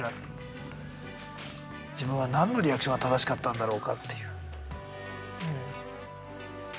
自分は何のリアクションが正しかったんだろうかっていう。